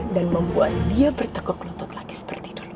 dan membuat dia berteguk lutut lagi seperti dulu